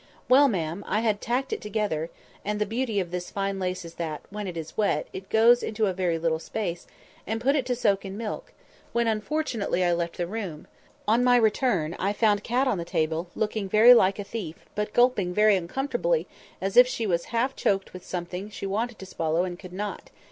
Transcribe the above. Well, ma'am, I had tacked it together (and the beauty of this fine lace is that, when it is wet, it goes into a very little space), and put it to soak in milk, when, unfortunately, I left the room; on my return, I found pussy on the table, looking very like a thief, but gulping very uncomfortably, as if she was half chocked with something she wanted to swallow and could not.